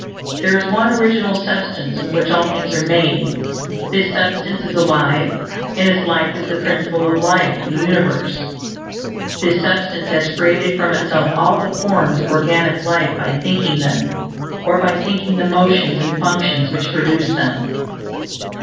There is one Original Substance from which all things are made; this substance is alive, and its life is the Principle of Life of the universe. This Substance has created from itself all the forms of organic life by thinking them, or by thinking the motions and functions which produce them.